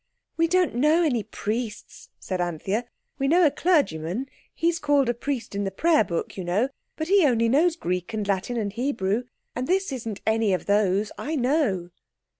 "We don't know any priests," said Anthea; "we know a clergyman—he's called a priest in the prayer book, you know—but he only knows Greek and Latin and Hebrew, and this isn't any of those—I know."